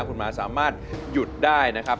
คุณหมาสามารถหยุดได้นะครับ